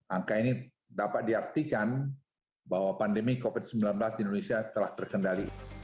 angka ini dapat diartikan bahwa pandemi covid sembilan belas di indonesia telah terkendali